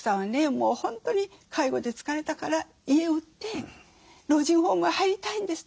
もう本当に介護で疲れたから家を売って老人ホームへ入りたいんですと。